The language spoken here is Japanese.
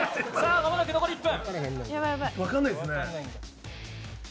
間もなく残り１分。